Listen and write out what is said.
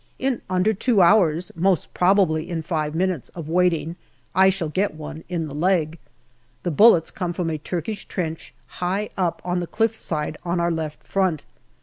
In under two hours, most probably in five minutes of waiting, I shall get one in the leg. The bullets come from a Turkish trench high up on the cliff side on our left front.